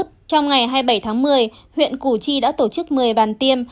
trong ngày hai mươi bảy tháng một mươi huyện củ chi đã tổ chức một mươi bàn tiêm